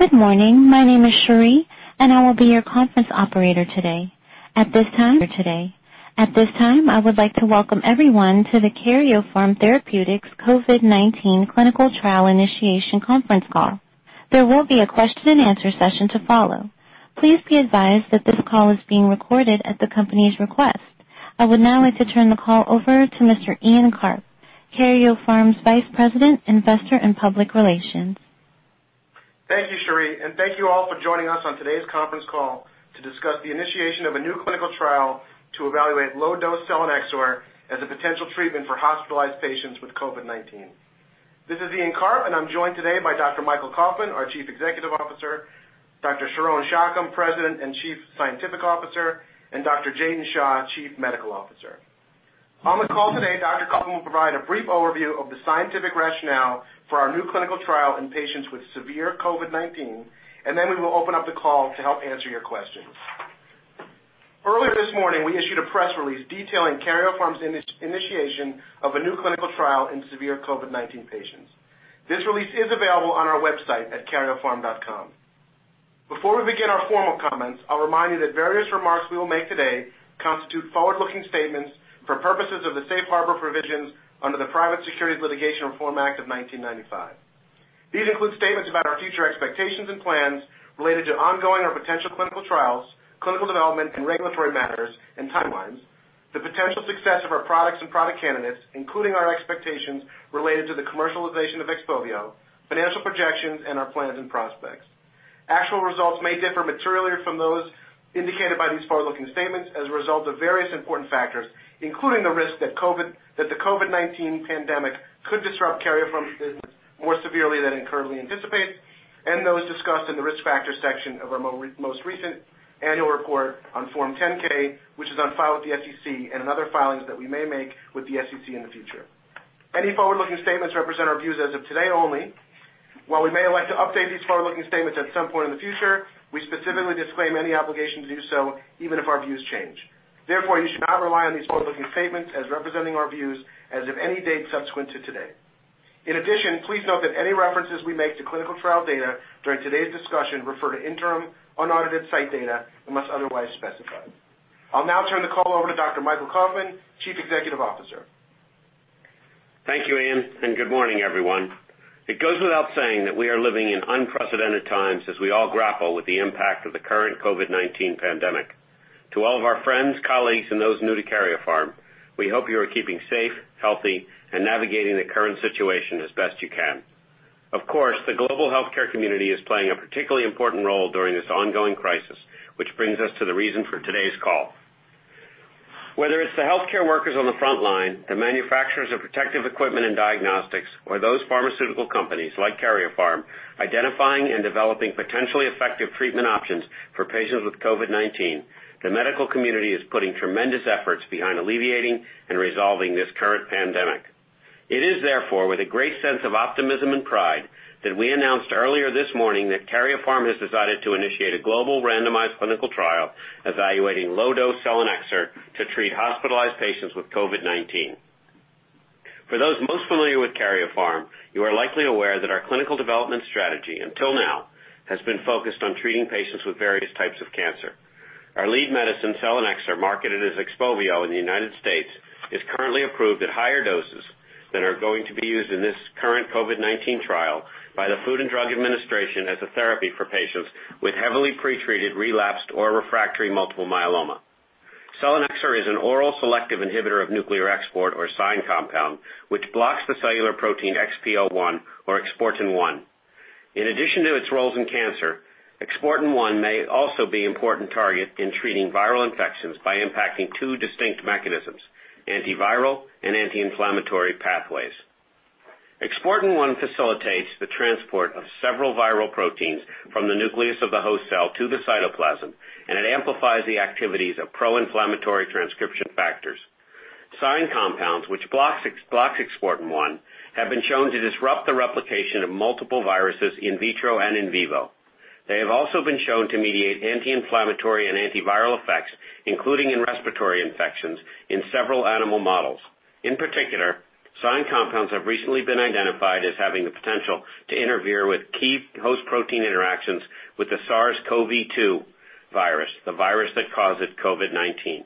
Good morning. My name is Sheree, and I will be your conference operator today. At this time, I would like to welcome everyone to the Karyopharm Therapeutics COVID-19 Clinical Trial Initiation conference call. There will be a question-and-answer session to follow. Please be advised that this call is being recorded at the company's request. I would now like to turn the call over to Mr. Ian Karp, Karyopharm's Vice President, Investor and Public Relations. Thank you, Sheree, and thank you all for joining us on today's conference call to discuss the initiation of a new clinical trial to evaluate low-dose selinexor as a potential treatment for hospitalized patients with COVID-19. This is Ian Karp, and I'm joined today by Dr. Michael Kauffman, our Chief Executive Officer, Dr. Sharon Shacham, President and Chief Scientific Officer, and Dr. Jatin Shah, Chief Medical Officer. On the call today, Dr. Kauffman will provide a brief overview of the scientific rationale for our new clinical trial in patients with severe COVID-19, and then we will open up the call to help answer your questions. Earlier this morning, we issued a press release detailing Karyopharm's initiation of a new clinical trial in severe COVID-19 patients. This release is available on our website at karyopharm.com. Before we begin our formal comments, I'll remind you that various remarks we will make today constitute forward-looking statements for purposes of the safe harbor provisions under the Private Securities Litigation Reform Act of 1995. These include statements about our future expectations and plans related to ongoing or potential clinical trials, clinical development, and regulatory matters and timelines, the potential success of our products and product candidates, including our expectations related to the commercialization of XPOVIO, financial projections and our plans and prospects. Actual results may differ materially from those indicated by these forward-looking statements as a result of various important factors, including the risk that the COVID-19 pandemic could disrupt Karyopharm more severely than it currently anticipates, and those discussed in the Risk Factors section of our most recent annual report on Form 10-K, which is on file with the SEC, and in other filings that we may make with the SEC in the future. Any forward-looking statements represent our views as of today only. While we may elect to update these forward-looking statements at some point in the future, we specifically disclaim any obligation to do so, even if our views change. Therefore, you should not rely on these forward-looking statements as representing our views as of any date subsequent to today. In addition, please note that any references we make to clinical trial data during today's discussion refer to interim, unaudited site data, unless otherwise specified. I'll now turn the call over to Dr. Michael Kauffman, Chief Executive Officer. Thank you, Ian, and good morning, everyone. It goes without saying that we are living in unprecedented times as we all grapple with the impact of the current COVID-19 pandemic. To all of our friends, colleagues, and those new to Karyopharm, we hope you are keeping safe, healthy, and navigating the current situation as best you can. Of course, the global healthcare community is playing a particularly important role during this ongoing crisis, which brings us to the reason for today's call. Whether it's the healthcare workers on the front line, the manufacturers of protective equipment and diagnostics, or those pharmaceutical companies like Karyopharm identifying and developing potentially effective treatment options for patients with COVID-19, the medical community is putting tremendous efforts behind alleviating and resolving this current pandemic. It is therefore, with a great sense of optimism and pride that we announced earlier this morning that Karyopharm has decided to initiate a global randomized clinical trial evaluating low-dose selinexor to treat hospitalized patients with COVID-19. For those most familiar with Karyopharm, you are likely aware that our clinical development strategy until now has been focused on treating patients with various types of cancer. Our lead medicine, selinexor, marketed as XPOVIO in the U.S., is currently approved at higher doses than are going to be used in this current COVID-19 trial by the Food and Drug Administration as a therapy for patients with heavily pretreated, relapsed, or refractory multiple myeloma. selinexor is an oral selective inhibitor of nuclear export, or SINE compound, which blocks the cellular protein XPO1, or Exportin 1. In addition to its roles in cancer, Exportin 1 may also be an important target in treating viral infections by impacting two distinct mechanisms: antiviral and anti-inflammatory pathways. Exportin 1 facilitates the transport of several viral proteins from the nucleus of the host cell to the cytoplasm, and it amplifies the activities of pro-inflammatory transcription factors. SINE compounds, which blocks Exportin 1, have been shown to disrupt the replication of multiple viruses in vitro and in vivo. They have also been shown to mediate anti-inflammatory and antiviral effects, including in respiratory infections in several animal models. In particular, SINE compounds have recently been identified as having the potential to interfere with key host protein interactions with the SARS-CoV-2 virus, the virus that causes COVID-19.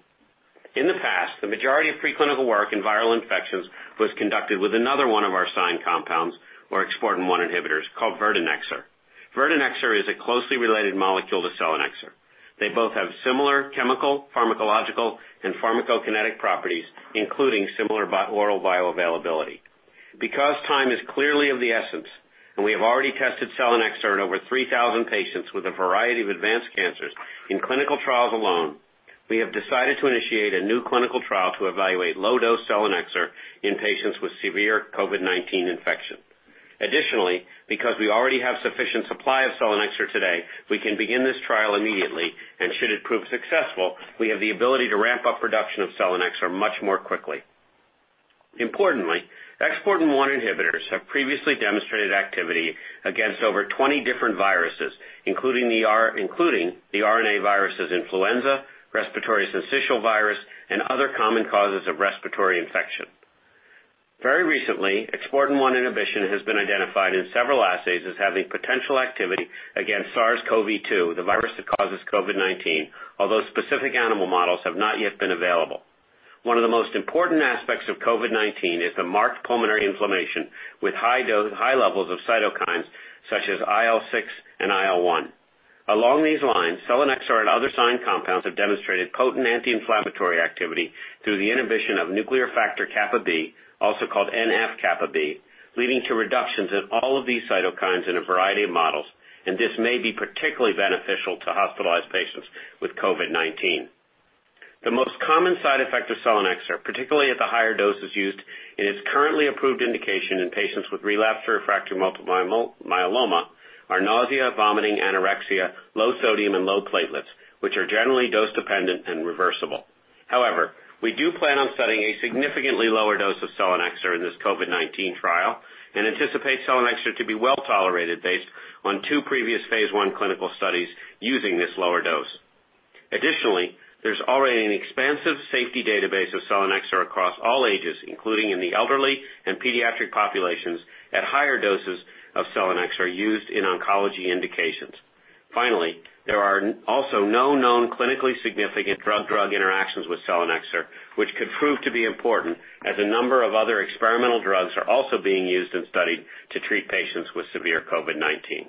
In the past, the majority of pre-clinical work in viral infections was conducted with another one of our SINE compounds, or Exportin 1 inhibitors, called verdinexor. Verdinexor is a closely related molecule to selinexor. They both have similar chemical, pharmacological, and pharmacokinetic properties, including similar oral bioavailability. Because time is clearly of the essence and we have already tested selinexor in over 3,000 patients with a variety of advanced cancers in clinical trials alone, we have decided to initiate a new clinical trial to evaluate low-dose selinexor in patients with severe COVID-19 infection. Additionally, because we already have sufficient supply of selinexor today, we can begin this trial immediately, and should it prove successful, we have the ability to ramp up production of selinexor much more quickly. Importantly, Exportin 1 inhibitors have previously demonstrated activity against over 20 different viruses, including the RNA viruses influenza, respiratory syncytial virus, and other common causes of respiratory infection. Very recently, XPO1 inhibition has been identified in several assays as having potential activity against SARS-CoV-2, the virus that causes COVID-19, although specific animal models have not yet been available. One of the most important aspects of COVID-19 is the marked pulmonary inflammation with high levels of cytokines such as IL-6 and IL-1. Along these lines, selinexor and other SINE compounds have demonstrated potent anti-inflammatory activity through the inhibition of nuclear factor kappa B, also called NF-κB, leading to reductions in all of these cytokines in a variety of models, and this may be particularly beneficial to hospitalized patients with COVID-19. The most common side effect of selinexor, particularly at the higher doses used in its currently approved indication in patients with relapsed or refractory multiple myeloma, are nausea, vomiting, anorexia, low sodium, and low platelets, which are generally dose-dependent and reversible. We do plan on studying a significantly lower dose of selinexor in this COVID-19 trial and anticipate selinexor to be well-tolerated based on two previous phase I clinical studies using this lower dose. There's already an expansive safety database of selinexor across all ages, including in the elderly and pediatric populations, at higher doses of selinexor used in oncology indications. There are also no known clinically significant drug-drug interactions with selinexor, which could prove to be important as a number of other experimental drugs are also being used and studied to treat patients with severe COVID-19.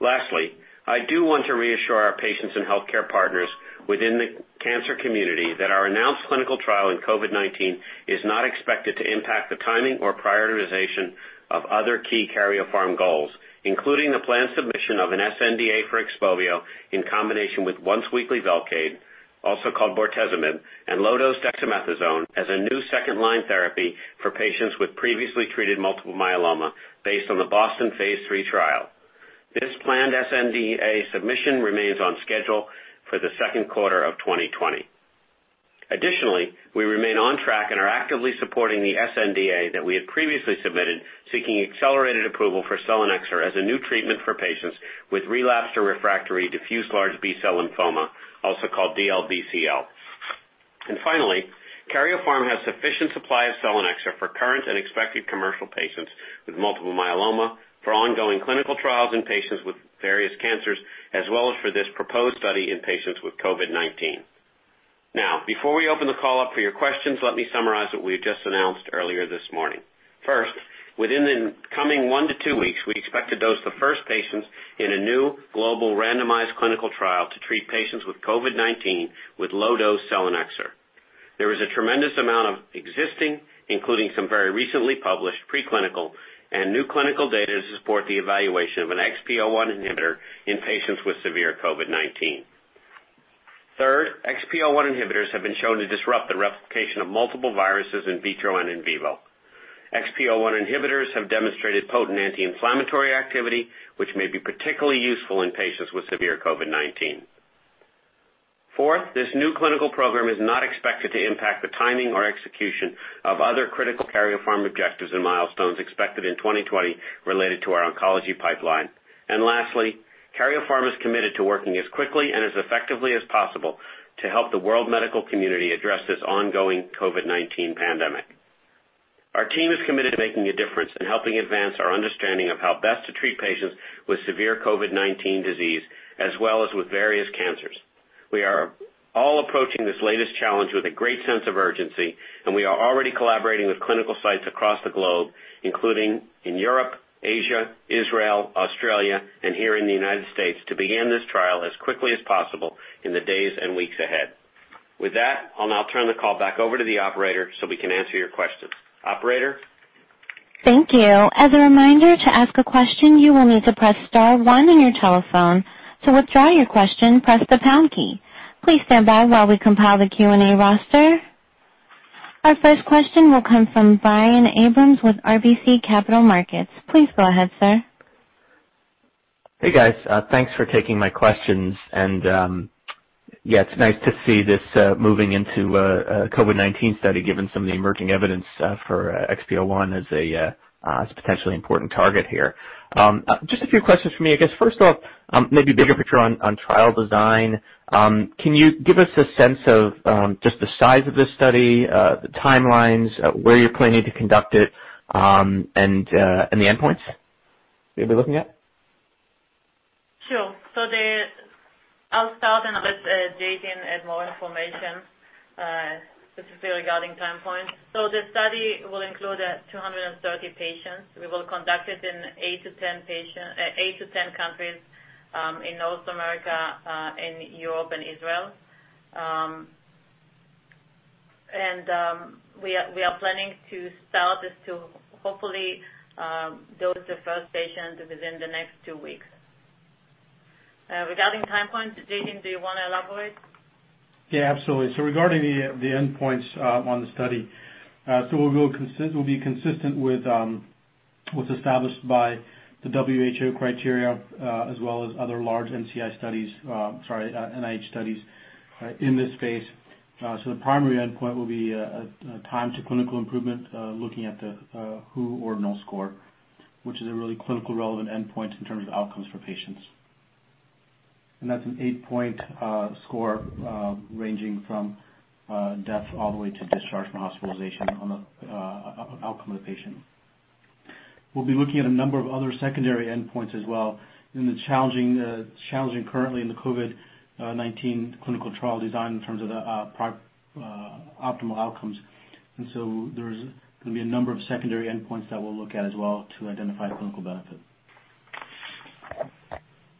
Lastly, I do want to reassure our patients and healthcare partners within the cancer community that our announced clinical trial in COVID-19 is not expected to impact the timing or prioritization of other key Karyopharm goals, including the planned submission of an sNDA for XPOVIO in combination with once-weekly Velcade, also called bortezomib, and low-dose dexamethasone as a new second-line therapy for patients with previously treated multiple myeloma based on the BOSTON phase III trial. This planned sNDA submission remains on schedule for the second quarter of 2020. Additionally, we remain on track and are actively supporting the sNDA that we had previously submitted seeking accelerated approval for selinexor as a new treatment for patients with relapsed or refractory diffuse large B-cell lymphoma, also called DLBCL. Finally, Karyopharm has sufficient supply of selinexor for current and expected commercial patients with multiple myeloma for ongoing clinical trials in patients with various cancers, as well as for this proposed study in patients with COVID-19. Before we open the call up for your questions, let me summarize what we've just announced earlier this morning. First, within the coming one to two weeks, we expect to dose the first patients in a new global randomized clinical trial to treat patients with COVID-19 with low-dose selinexor. There is a tremendous amount of existing, including some very recently published preclinical and new clinical data to support the evaluation of an XPO1 inhibitor in patients with severe COVID-19. Third, XPO1 inhibitors have been shown to disrupt the replication of multiple viruses in vitro and in vivo. XPO1 inhibitors have demonstrated potent anti-inflammatory activity, which may be particularly useful in patients with severe COVID-19. Fourth, this new clinical program is not expected to impact the timing or execution of other critical Karyopharm objectives and milestones expected in 2020 related to our oncology pipeline. Lastly, Karyopharm is committed to working as quickly and as effectively as possible to help the world medical community address this ongoing COVID-19 pandemic. Our team is committed to making a difference in helping advance our understanding of how best to treat patients with severe COVID-19 disease, as well as with various cancers. We are all approaching this latest challenge with a great sense of urgency, and we are already collaborating with clinical sites across the globe, including in Europe, Asia, Israel, Australia, and here in the U.S., to begin this trial as quickly as possible in the days and weeks ahead. With that, I'll now turn the call back over to the operator so we can answer your questions. Operator? Thank you. As a reminder, to ask a question, you will need to press star one on your telephone. To withdraw your question, press the pound key. Please stand by while we compile the Q&A roster. Our first question will come from Brian Abrahams with RBC Capital Markets. Please go ahead, sir. Hey, guys. Thanks for taking my questions. Yeah, it's nice to see this moving into a COVID-19 study, given some of the emerging evidence for XPO1 as a potentially important target here. Just a few questions from me. I guess, first off, maybe bigger picture on trial design. Can you give us a sense of just the size of this study, the timelines, where you're planning to conduct it, and the endpoints you'll be looking at? Sure. I'll start, and let Jatin add more information, specifically regarding time points. The study will include 230 patients. We will conduct it in eight to 10 countries in North America, in Europe, and Israel. We are planning to start this to hopefully dose the first patients within the next two weeks. Regarding time points, Jatin, do you want to elaborate? Yeah, absolutely. Regarding the endpoints on the study, we'll be consistent with what's established by the WHO criteria as well as other large NIH studies in this space. The primary endpoint will be time to clinical improvement, looking at the WHO Ordinal Score, which is a really clinical relevant endpoint in terms of outcomes for patients. That's an eight-point score ranging from death all the way to discharge from hospitalization on the outcome of the patient. We'll be looking at a number of other secondary endpoints as well in the challenging, currently in the COVID-19 clinical trial design in terms of the optimal outcomes. There's going to be a number of secondary endpoints that we'll look at as well to identify clinical benefit.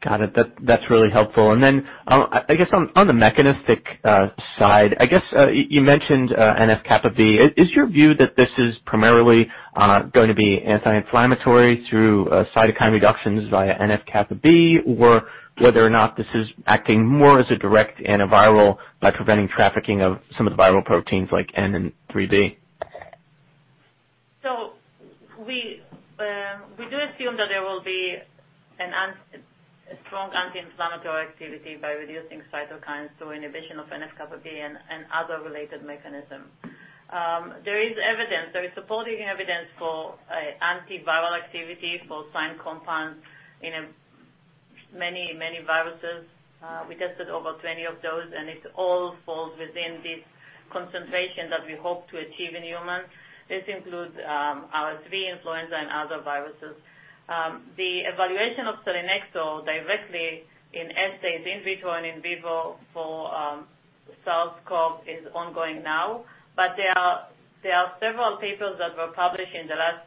Got it. That's really helpful. I guess on the mechanistic side, I guess you mentioned NF-κB. Is your view that this is primarily going to be anti-inflammatory through cytokine reductions via NF-κB, or whether or not this is acting more as a direct antiviral by preventing trafficking of some of the viral proteins like N and 3B? We do assume that there will be a strong anti-inflammatory activity by reducing cytokines through inhibition of NF-κB and other related mechanisms. There is evidence, there is supporting evidence for antiviral activity for SINE compounds in many viruses. We tested over 20 of those, and it all falls within this concentration that we hope to achieve in humans. This includes RSV, influenza, and other viruses. The evaluation of selinexor directly in assays in vitro and in vivo for SARS-CoV is ongoing now, but there are several papers that were published in the last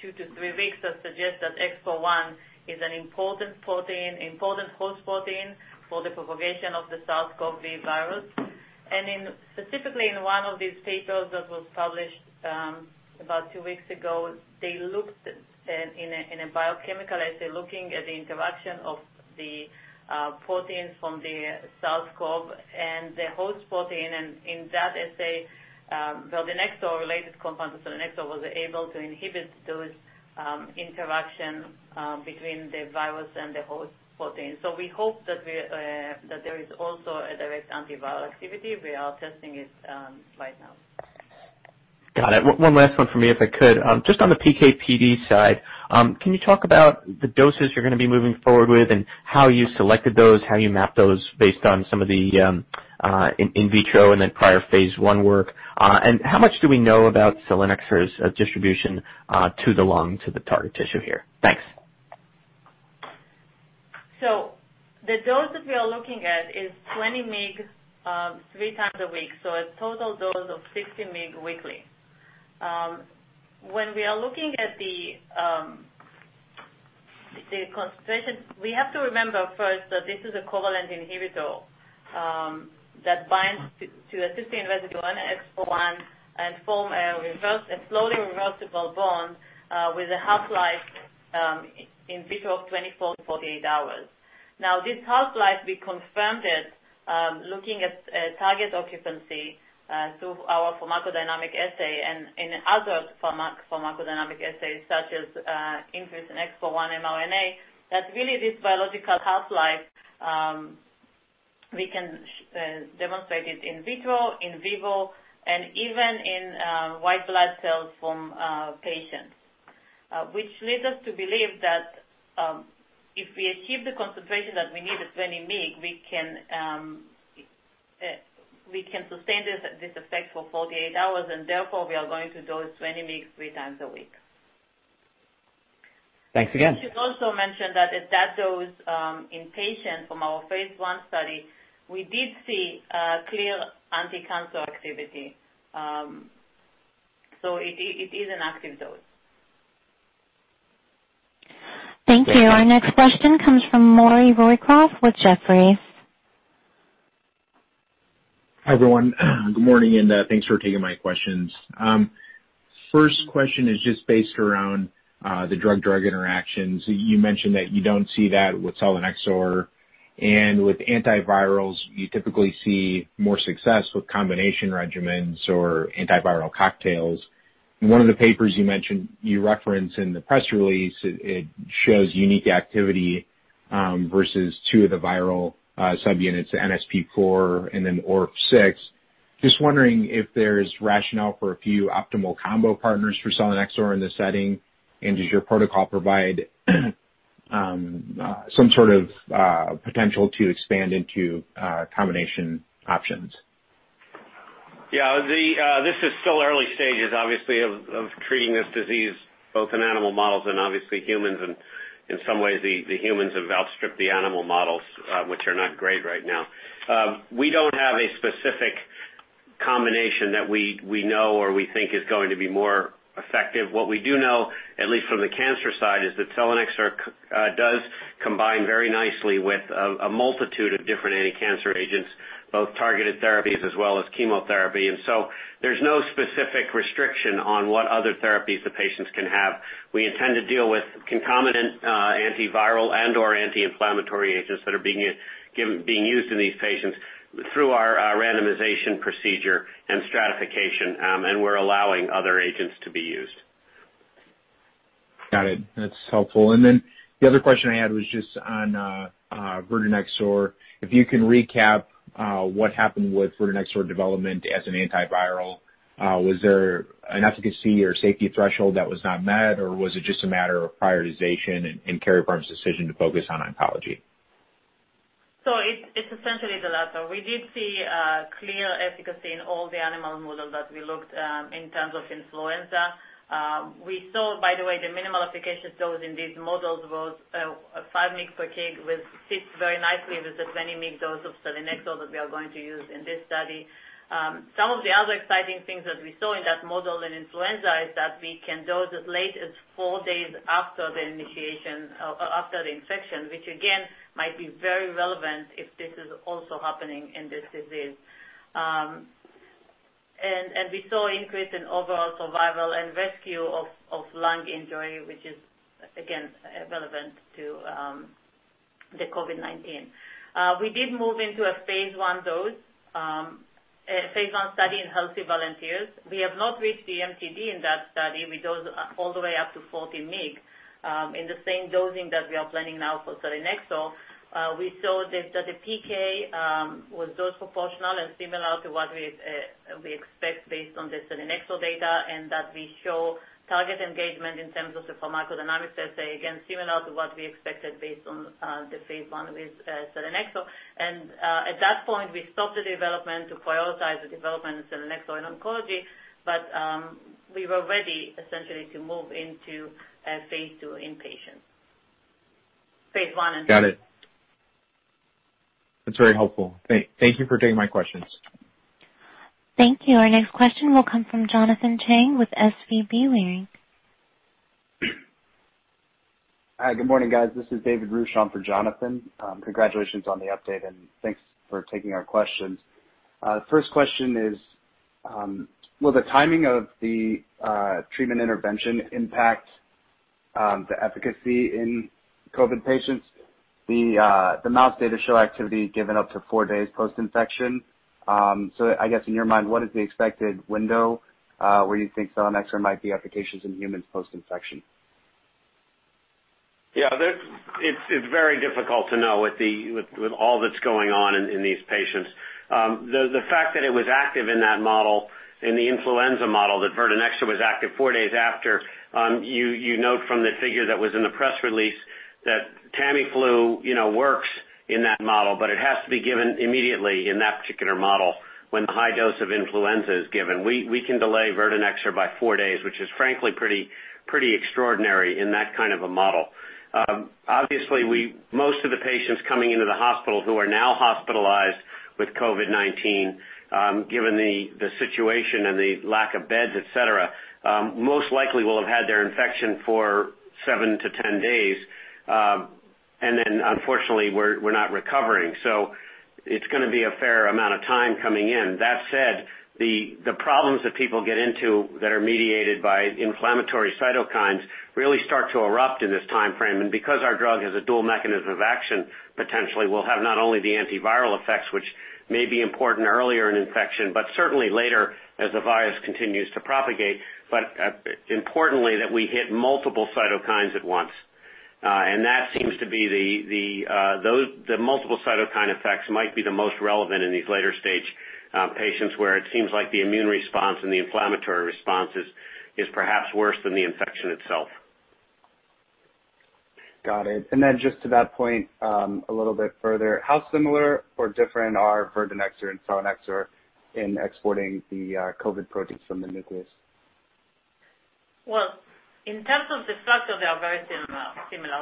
two to three weeks that suggest that XPO1 is an important host protein for the propagation of the SARS-CoV virus. Specifically in one of these papers that was published about two weeks ago, they looked in a biochemical assay, looking at the interaction of the proteins from the SARS-CoV and the host protein, and in that assay, the SINE-related compound of selinexor was able to inhibit those interaction between the virus and the host protein. We hope that there is also a direct antiviral activity. We are testing it right now. Got it. One last one from me, if I could. Just on the PK/PD side, can you talk about the doses you're going to be moving forward with and how you selected those, how you mapped those based on some of the in vitro and then prior phase I work? How much do we know about selinexor's distribution to the lung, to the target tissue here? Thanks. The dose that we are looking at is 20 mg three times a week, a total dose of 60 mg weekly. When we are looking at the concentration, we have to remember first that this is a covalent inhibitor that binds to a cysteine residue on XPO1 and form a slowly reversible bond with a half-life in vitro of 24-48 hours. This half-life, we confirmed it, looking at target occupancy through our pharmacodynamic assay and in other pharmacodynamic assays, such as increase in XPO1 mRNA, that really this biological half-life, we can demonstrate it in vitro, in vivo, and even in white blood cells from patients. Which leads us to believe that if we achieve the concentration that we need at 20 mg, we can sustain this effect for 48 hours, and therefore, we are going to dose 20 mg three times a week. Thanks again. I should also mention that at that dose, in patients from our phase I study, we did see clear anti-cancer activity. It is an active dose. Thank you. Our next question comes from Maury Raycroft with Jefferies. Hi, everyone. Good morning, and thanks for taking my questions. First question is just based around the drug-drug interactions. You mentioned that you don't see that with selinexor, and with antivirals, you typically see more success with combination regimens or antiviral cocktails. In one of the papers you mentioned you reference in the press release, it shows unique activity versus two of the viral subunits, NSP4 and then ORF6. Just wondering if there's rationale for a few optimal combo partners for selinexor in this setting, and does your protocol provide some sort of potential to expand into combination options? Yeah. This is still early stages, obviously, of treating this disease, both in animal models and obviously humans. In some ways, the humans have outstripped the animal models, which are not great right now. We don't have a specific combination that we know or we think is going to be more effective. What we do know, at least from the cancer side, is that selinexor does combine very nicely with a multitude of different anti-cancer agents, both targeted therapies as well as chemotherapy. There's no specific restriction on what other therapies the patients can have. We intend to deal with concomitant antiviral and/or anti-inflammatory agents that are being used in these patients through our randomization procedure and stratification, and we're allowing other agents to be used. Got it. That's helpful. The other question I had was just on verdinexor. If you can recap what happened with verdinexor development as an antiviral? Was there an efficacy or safety threshold that was not met, or was it just a matter of prioritization and Karyopharm's decision to focus on oncology? It's essentially the latter. We did see a clear efficacy in all the animal models that we looked at in terms of influenza. We saw, by the way, the minimal efficacy dose in these models was five mg per kg, which fits very nicely with the 20 mg dose of selinexor that we are going to use in this study. Some of the other exciting things that we saw in that model in influenza is that we can dose as late as four days after the initiation of infection, which again, might be very relevant if this is also happening in this disease. We saw increase in overall survival and rescue of lung injury, which is again, relevant to the COVID-19. We did move into a phase I dose, phase I study in healthy volunteers. We have not reached the MTD in that study. We dosed all the way up to 40 mg in the same dosing that we are planning now for selinexor. We saw that the PK was dose proportional and similar to what we expect based on the selinexor data, and that we show target engagement in terms of the pharmacodynamics assay, again, similar to what we expected based on the phase I with selinexor. At that point, we stopped the development to prioritize the development of selinexor in oncology. We were ready essentially to move into phase II in patients, phase I and II. Got it. That's very helpful. Thank you for taking my questions. Thank you. Our next question will come from Jonathan Chang with SVB Leerink. Hi. Good morning, guys. This is David Ruch on for Jonathan. Congratulations on the update and thanks for taking our questions. First question is, will the timing of the treatment intervention impact the efficacy in COVID patients? The mouse data show activity given up to four days post-infection. I guess in your mind, what is the expected window where you think selinexor might be efficacious in humans post-infection? Yeah. It's very difficult to know with all that's going on in these patients. The fact that it was active in that model, in the influenza model, that verdinexor was active four days after. You note from the figure that was in the press release that Tamiflu works in that model, but it has to be given immediately in that particular model when the high dose of influenza is given. We can delay verdinexor by four days, which is frankly pretty extraordinary in that kind of a model. Obviously, most of the patients coming into the hospital who are now hospitalized with COVID-19, given the situation and the lack of beds, et cetera, most likely will have had their infection for seven to 10 days, unfortunately, were not recovering. It's going to be a fair amount of time coming in. That said, the problems that people get into that are mediated by inflammatory cytokines really start to erupt in this timeframe. Because our drug has a dual mechanism of action, potentially we'll have not only the antiviral effects, which may be important earlier in infection, but certainly later as the virus continues to propagate. Importantly, that we hit multiple cytokines at once. The multiple cytokine effects might be the most relevant in these later stage patients, where it seems like the immune response and the inflammatory response is perhaps worse than the infection itself. Got it. Just to that point, a little bit further, how similar or different are verdinexor and selinexor in exporting the COVID proteins from the nucleus? Well, in terms of the structure, they are very similar.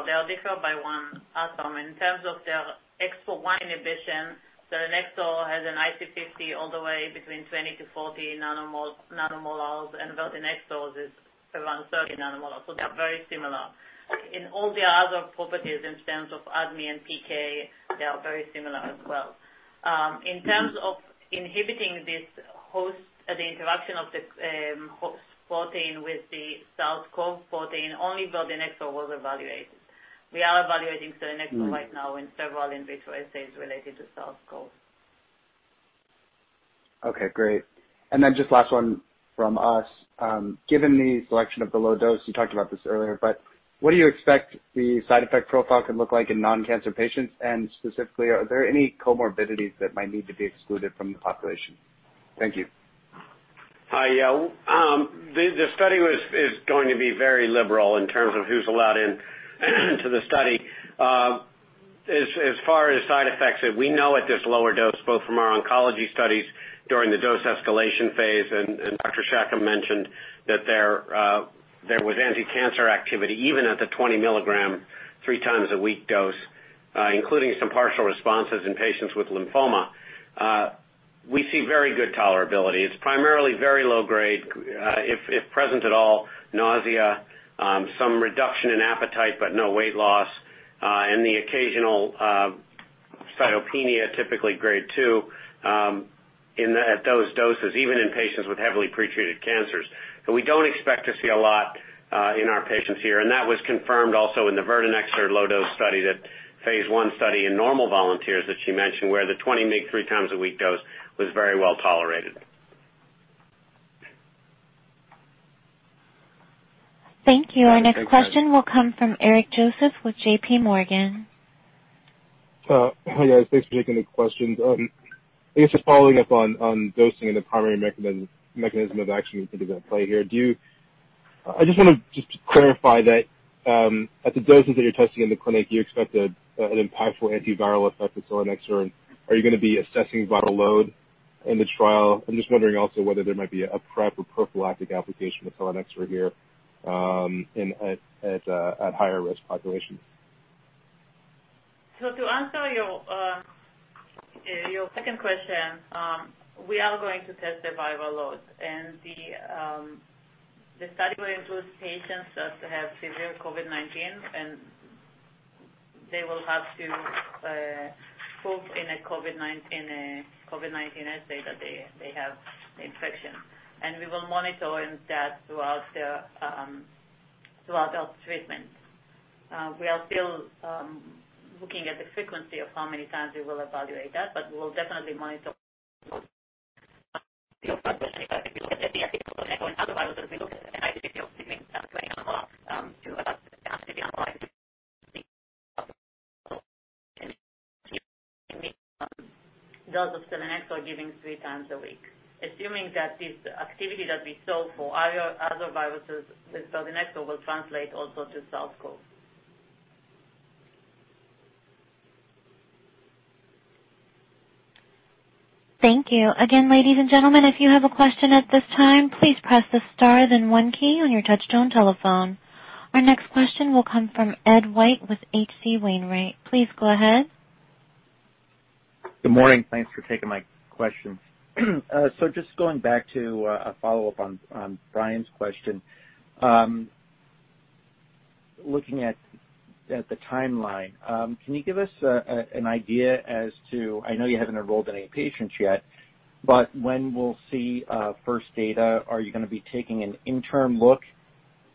They differ by one atom. In terms of their Exportin 1 inhibition, selinexor has an IC50 all the way between 20-40 nanomoles, and verdinexor is around 30 nanomoles. They're very similar. In all the other properties in terms of ADME and PK, they are very similar as well. In terms of inhibiting the interaction of the host protein with the cell's COVID protein, only verdinexor was evaluated. We are evaluating selinexor right now in several in vitro assays related to SARS-CoV. Okay, great. Just last one from us. Given the selection of the low dose, you talked about this earlier, what do you expect the side effect profile can look like in non-cancer patients? Specifically, are there any comorbidities that might need to be excluded from the population? Thank you. The study is going to be very liberal in terms of who's allowed into the study. As far as side effects, we know at this lower dose, both from our oncology studies during the dose escalation phase and Dr. Shacham mentioned that there was anticancer activity even at the 20 mg three times a week dose, including some partial responses in patients with lymphoma. We see very good tolerability. It's primarily very low grade, if present at all, nausea, some reduction in appetite, but no weight loss, and the occasional cytopenia, typically grade two, at those doses, even in patients with heavily pretreated cancers. We don't expect to see a lot in our patients here, and that was confirmed also in the verdinexor low dose study, that phase I study in normal volunteers that she mentioned, where the 20 mg three times a week dose was very well tolerated. Thank you. Our next question will come from Eric Joseph with JPMorgan. Hi, guys. Thanks for taking the questions. I guess just following up on dosing and the primary mechanism of action you think is at play here. I just want to just clarify that at the doses that you're testing in the clinic, do you expect an impactful antiviral effect with selinexor? Are you going to be assessing viral load in the trial? I'm just wondering also whether there might be a prep or prophylactic application with selinexor here at higher risk populations. To answer your second question, we are going to test the viral load. The study will include patients that have severe COVID-19, and they will have to prove in a COVID-19 assay that they have the infection. We will monitor that throughout their treatment. We are still looking at the frequency of how many times we will evaluate that, but we will definitely monitor dose of selinexor given three times a week, assuming that this activity that we saw for other viruses with selinexor will translate also to SARS-CoV. Thank you. Again, ladies and gentlemen, if you have a question at this time, please press the star, then one key on your touchtone telephone. Our next question will come from Ed White with H.C. Wainwright. Please go ahead. Good morning. Thanks for taking my question. Just going back to a follow-up on Brian's question. Looking at the timeline, can you give us an idea as to, I know you haven't enrolled any patients yet, but when we'll see first data? Are you going to be taking an interim look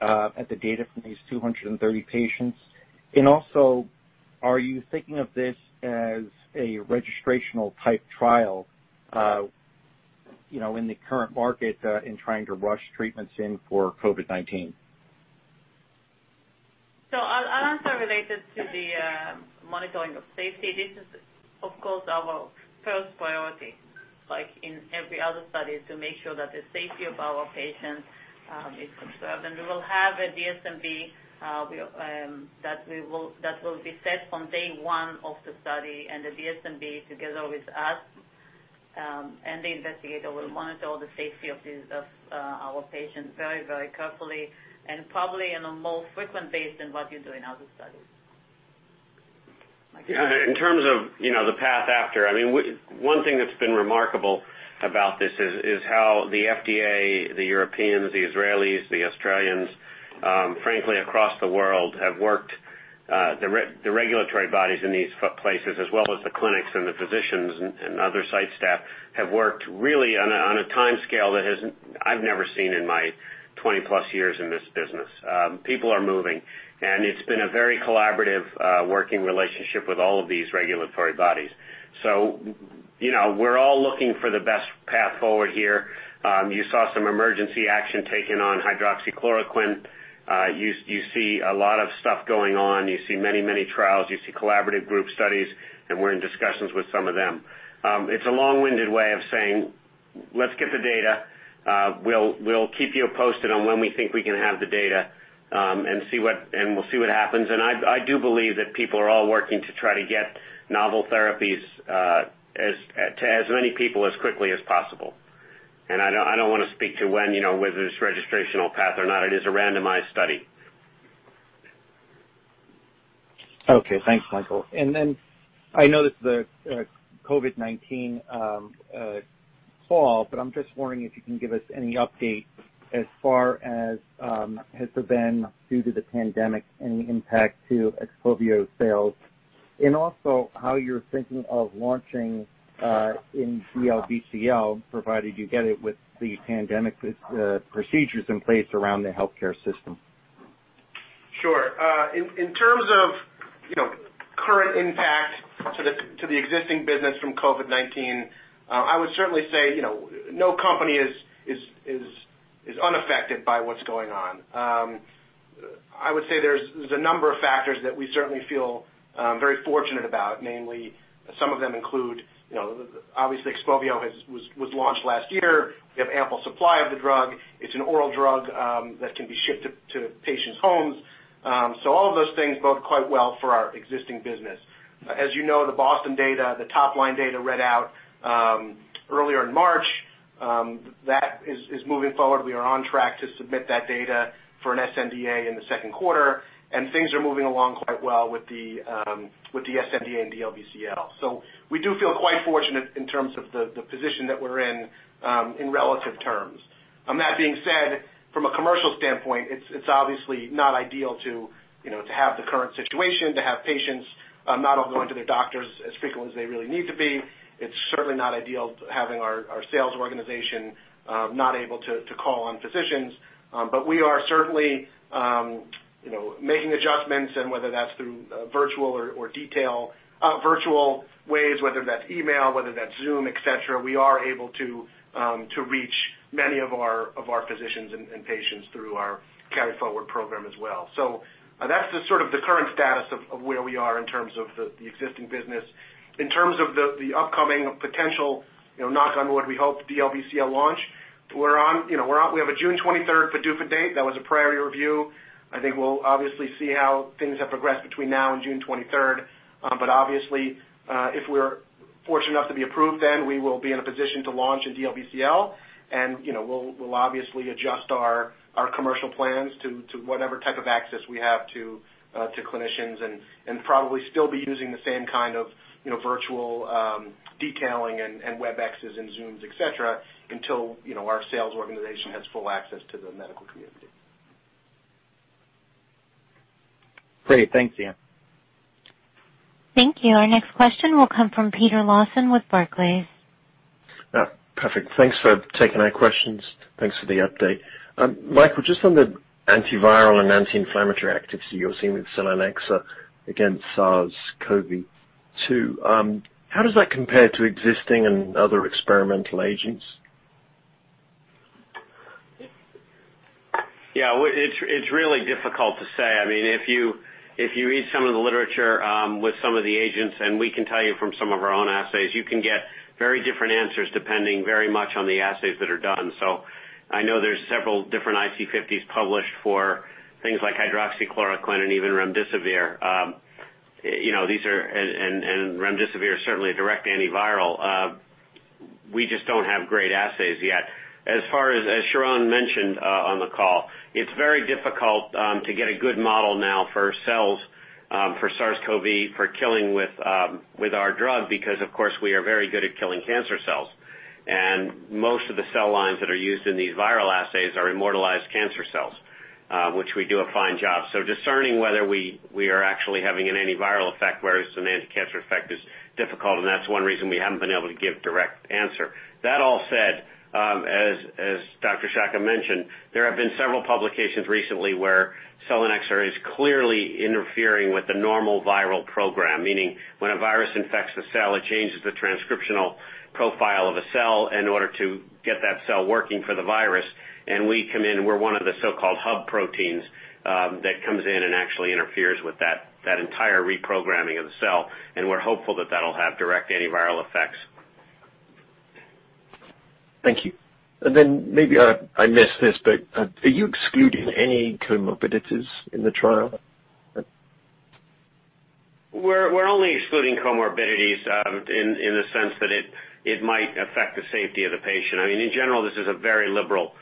at the data from these 230 patients? Are you thinking of this as a registrational type trial in the current market in trying to rush treatments in for COVID-19? I'll answer related to the monitoring of safety. This is, of course, our first priority, like in every other study, is to make sure that the safety of our patients is conserved. We will have a DSMB that will be set from day one of the study. The DSMB, together with us and the investigator, will monitor the safety of our patients very carefully and probably on a more frequent basis than what you do in other studies. In terms of the path after, one thing that's been remarkable about this is how the FDA, the Europeans, the Israelis, the Australians, frankly, across the world, the regulatory bodies in these places as well as the clinics and the physicians and other site staff have worked really on a timescale that I've never seen in my 20+ years in this business. People are moving, and it's been a very collaborative working relationship with all of these regulatory bodies. We're all looking for the best path forward here. You saw some emergency action taken on hydroxychloroquine. You see a lot of stuff going on. You see many trials. You see collaborative group studies, and we're in discussions with some of them. It's a long-winded way of saying let's get the data. We'll keep you posted on when we think we can have the data, and we'll see what happens. I do believe that people are all working to try to get novel therapies to as many people as quickly as possible. I don't want to speak to when, whether it's registrational path or not. It is a randomized study. Okay. Thanks, Michael. I know this is a COVID-19 call, but I'm just wondering if you can give us any update as far as has there been, due to the pandemic, any impact to XPOVIO sales? Also how you're thinking of launching in DLBCL, provided you get it with the pandemic procedures in place around the healthcare system. Sure. In terms of current impact to the existing business from COVID-19, I would certainly say no company is unaffected by what's going on. I would say there's a number of factors that we certainly feel very fortunate about. Namely, some of them include, obviously XPOVIO was launched last year. We have ample supply of the drug. It's an oral drug that can be shipped to patients' homes. All of those things bode quite well for our existing business. As you know, the BOSTON data, the top-line data read out earlier in March, that is moving forward. We are on track to submit that data for an sNDA in the second quarter, and things are moving along quite well with the sNDA and DLBCL. We do feel quite fortunate in terms of the position that we're in relative terms. That being said, from a commercial standpoint, it's obviously not ideal to have the current situation, to have patients not all going to their doctors as frequently as they really need to be. It's certainly not ideal having our sales organization not able to call on physicians. We are certainly making adjustments, and whether that's through virtual or detail, virtual ways, whether that's email, whether that's Zoom, et cetera, we are able to reach many of our physicians and patients through our KaryForward program as well. That's the sort of the current status of where we are in terms of the existing business. In terms of the upcoming potential, knock on wood, we hope, DLBCL launch. We have a June 23rd PDUFA date. That was a priority review. I think we'll obviously see how things have progressed between now and June 23rd. Obviously, if we're fortunate enough to be approved, then we will be in a position to launch in DLBCL, and we'll obviously adjust our commercial plans to whatever type of access we have to clinicians and probably still be using the same kind of virtual detailing and Webex and Zooms, et cetera, until our sales organization has full access to the medical community. Great. Thanks, Jatin. Thank you. Our next question will come from Peter Lawson with Barclays. Perfect. Thanks for taking my questions. Thanks for the update. Michael, just on the antiviral and anti-inflammatory activity you're seeing with selinexor against SARS-CoV-2, how does that compare to existing and other experimental agents? It's really difficult to say. If you read some of the literature with some of the agents, we can tell you from some of our own assays, you can get very different answers depending very much on the assays that are done. I know there's several different IC50s published for things like hydroxychloroquine and even remdesivir. Remdesivir is certainly a direct antiviral. We just don't have great assays yet. As far as Sharon mentioned on the call, it's very difficult to get a good model now for cells for SARS-CoV for killing with our drug, because of course, we are very good at killing cancer cells. Most of the cell lines that are used in these viral assays are immortalized cancer cells, which we do a fine job. Discerning whether we are actually having an antiviral effect whereas an anticancer effect is difficult, and that's one reason we haven't been able to give direct answer. That all said, as Dr. Shacham mentioned, there have been several publications recently where selinexor is clearly interfering with the normal viral program, meaning when a virus infects the cell, it changes the transcriptional profile of a cell in order to get that cell working for the virus, and we come in, we're one of the so-called hub proteins that comes in and actually interferes with that entire reprogramming of the cell, and we're hopeful that that'll have direct antiviral effects. Thank you. Maybe I missed this, are you excluding any comorbidities in the trial? We're only excluding comorbidities in the sense that it might affect the safety of the patient. In general, this is a very liberal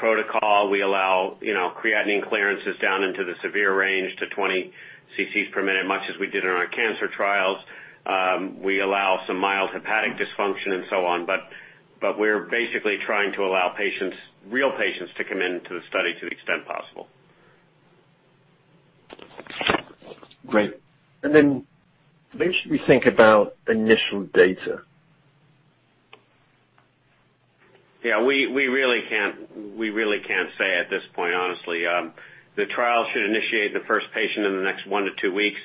protocol. We allow creatinine clearances down into the severe range to 20 cc per minute, much as we did in our cancer trials. We allow some mild hepatic dysfunction and so on. We're basically trying to allow real patients to come into the study to the extent possible. Great. When should we think about initial data? Yeah, we really can't say at this point, honestly. The trial should initiate the first patient in the next one to two weeks.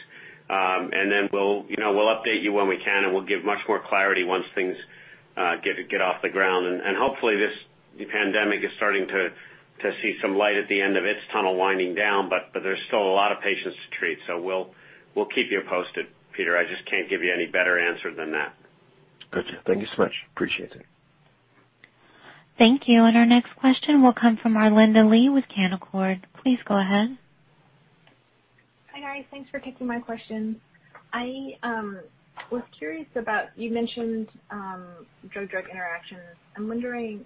We'll update you when we can. We'll give much more clarity once things get off the ground. Hopefully, this pandemic is starting to see some light at the end of its tunnel winding down, but there's still a lot of patients to treat, so we'll keep you posted, Peter. I just can't give you any better answer than that. Gotcha. Thank you so much. Appreciate it. Thank you. Our next question will come from Arlinda Lee with Canaccord. Please go ahead. Hi, guys. Thanks for taking my question. I was curious about, you mentioned drug-drug interactions. I'm wondering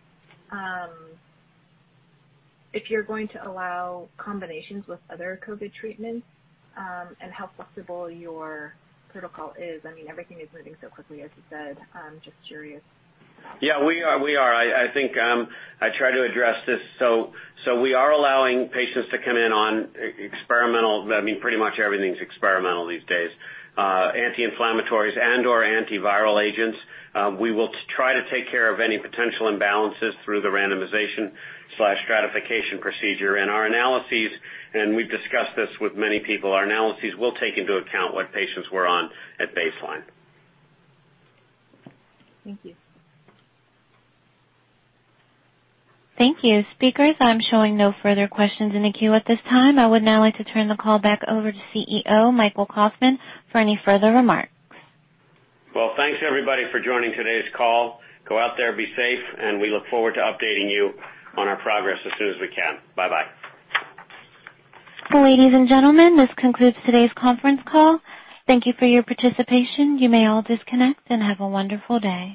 if you're going to allow combinations with other COVID treatments and how flexible your protocol is. Everything is moving so quickly, as you said. Just curious about that. Yeah, we are. I think I try to address this. We are allowing patients to come in on experimental, pretty much everything's experimental these days, anti-inflammatories and/or antiviral agents. We will try to take care of any potential imbalances through the randomization/stratification procedure. Our analyses, and we've discussed this with many people, our analyses will take into account what patients were on at baseline. Thank you. Thank you. Speakers, I'm showing no further questions in the queue at this time. I would now like to turn the call back over to CEO Michael Kauffman for any further remarks. Thanks everybody for joining today's call. Go out there, be safe, and we look forward to updating you on our progress as soon as we can. Bye-bye. Ladies and gentlemen, this concludes today's conference call. Thank you for your participation. You may all disconnect and have a wonderful day.